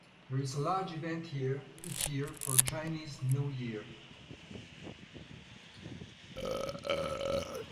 There is a large event here each year for Chinese New Year.